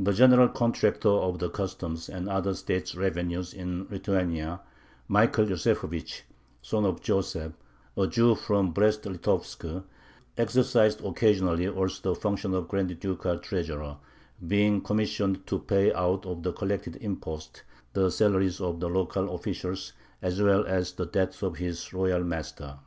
The general contractor of the customs and other state revenues in Lithuania, Michael Yosefovich (son of Joseph), a Jew from Brest Litovsk, exercised occasionally also the functions of grand ducal treasurer, being commissioned to pay out of the collected imposts the salaries of the local officials as well as the debts of his royal master.